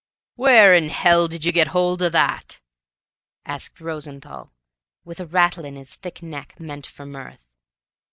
_?" "Where in hell did you get hold o' that?" asked Rosenthall, with a rattle in his thick neck, meant for mirth.